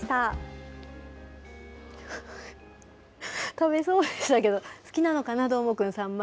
食べそうでしたけど、好きなのかな、どーもくん、サンマ。